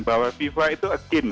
bahwa viva itu agin